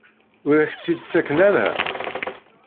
Ur ak-tt-id-ttaken ara?